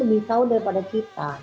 lebih tahu daripada kita